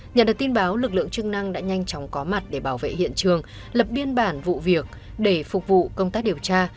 nhận được tin báo lực lượng chức năng đã nhanh chóng có mặt để bảo vệ hiện trường lập biên bản vụ việc để phục vụ công tác điều tra